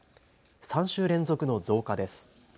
３週連続の増加です。